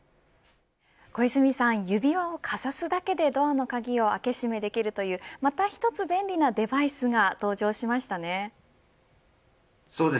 小泉さん、指輪をかざすだけでドアの鍵を開け閉めできるまた一つ便利なデバイスが登場しましたね。